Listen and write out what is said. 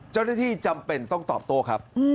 เจ้าหน้าที่จำเป็นต้องตอบโตครับ